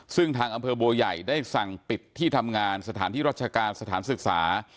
ซึ่งทางอำเภอบัวใหญ่ได้สั่งปิดที่ทำงานสถานที่ราชการสถานศึกษา